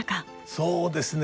そうですね。